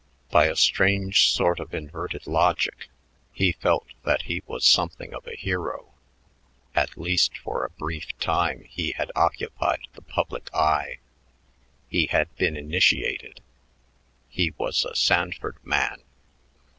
By a strange sort of inverted logic, he felt that he was something of a hero; at least, for a brief time he had occupied the public eye. He had been initiated; he was a Sanford man.